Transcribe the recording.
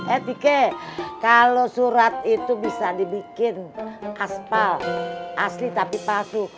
eh tike kalau surat itu bisa dibikin aspal asli tapi pasu